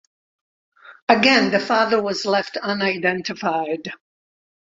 Again, the father was left unidentified.